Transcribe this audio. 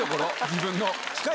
自分の。